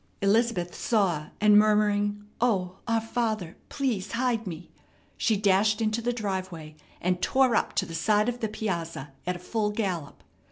Elizabeth saw, and murmuring, "O 'our Father,' please hide me!" she dashed into the driveway, and tore up to the side of the piazza at a full gallop.